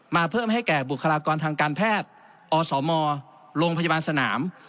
เพิ่มให้แก่บุคลากรทางการแพทย์อสมโรงพยาบาลสนาม